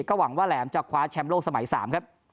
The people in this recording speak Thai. ก็หวังว่าแหลมจะคว้าแชมป์โลกสมัย๓ครับ